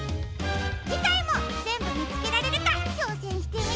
じかいもぜんぶみつけられるかちょうせんしてみてね！